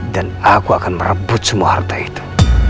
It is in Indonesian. dan aku akan merebut semua harta itu